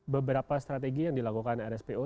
beberapa strategi yang dilakukan rspo